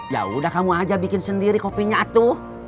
ya udah kamu aja bikin sendiri kopinya atuh